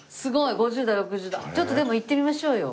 ちょっと行ってみましょうよ。